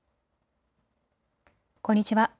こんにちは。